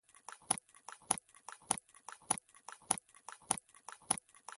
مزارشریف د افغانانو د تفریح یوه وسیله ده.